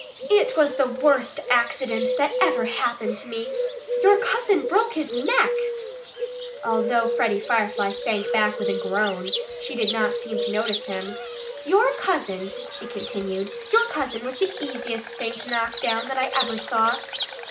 "It was the worst accident that ever happened to me. ... Your cousin broke his neck!" Although Freddie Firefly sank back with a groan, she did not seem to notice him. "Your cousin " she continued "your cousin was the easiest thing to knock down that I ever saw.